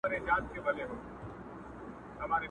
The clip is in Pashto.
اشنا مي کوچ وکړ کوچي سو،